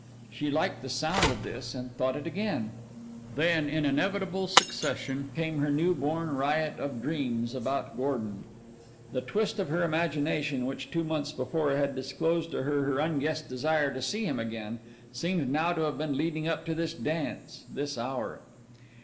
She liked the sound of this and thought it again; then in inevitable succession came her new born riot of dreams about Gordon. The twist of her imagination which, two months before, had disclosed to her her unguessed desire to see him again, seemed now to have been leading up to this dance, this hour.